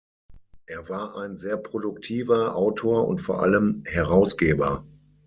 Er war ein sehr produktiver Autor und vor allem Herausgeber.